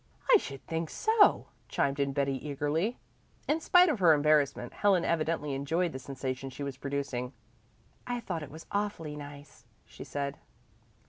"I should think so!" chimed in Betty eagerly. In spite of her embarrassment Helen evidently enjoyed the sensation she was producing. "I thought it was awfully nice," she said.